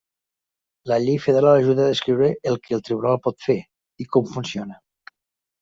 La llei federal ajuda a descriure el que el tribunal pot fer, i com funciona.